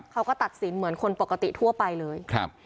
เขาก็ตัดสินเหมือนคนปกติทั่วไปเลยครับ